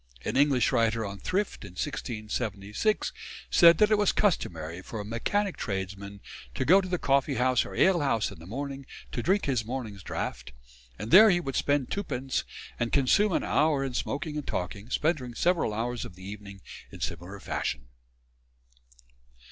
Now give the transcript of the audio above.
An English writer on thrift in 1676 said that it was customary for a "mechanic tradesman" to go to the coffee house or ale house in the morning to drink his morning's draught, and there he would spend twopence and consume an hour in smoking and talking, spending several hours of the evening in similar fashion.